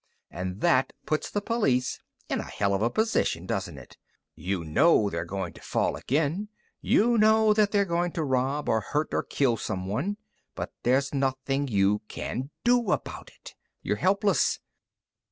And that puts the police in a hell of a position, doesn't it? You know they're going to fall again; you know that they're going to rob, or hurt, or kill someone. But there's nothing you can do about it. You're helpless.